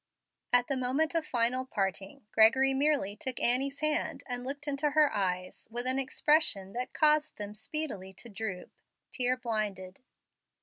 At the moment of final parting, Gregory merely took Annie's hand and looked into her eyes with an expression that caused them speedily to droop, tear blinded.